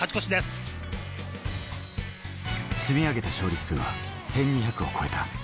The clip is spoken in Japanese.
積み上げた勝利数は１２００を超えた。